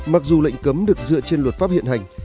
mặc dù lệnh cấm được dựa trên luật pháp hiện hành